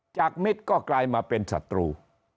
มิตรก็กลายมาเป็นศัตรู